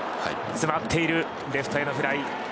詰まっているレフトへのフライ。